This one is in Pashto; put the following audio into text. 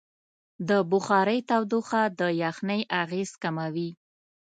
د بخارۍ تودوخه د یخنۍ اغېز کموي.